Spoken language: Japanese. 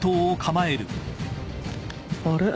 あれ？